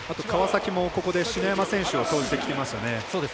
川崎もここで篠山選手を投じてきてますよね。